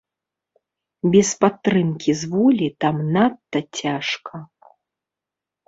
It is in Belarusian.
Без падтрымкі з волі там надта цяжка.